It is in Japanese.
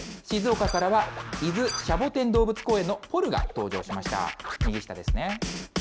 静岡からは、伊豆シャボテン動物公園のポルが登場しました。